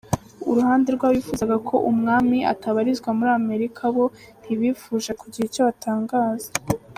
Uruhande rw’abifuzaga ko umwami atabarizwa muri Amerika bo ntibifuje kugira icyo batangaza.